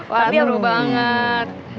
wah baru banget